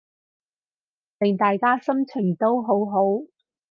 令大家心情都好好